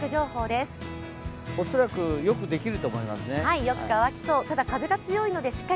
よくできると思いますね。